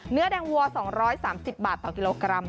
เนื้อแดงวัว๒๓๐บาทต่อกิโลกรัม